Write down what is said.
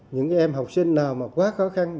những em học sinh nào mà quá khó khăn